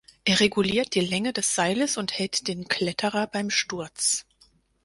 Er reguliert die Länge des Seiles und hält den Kletterer beim Sturz.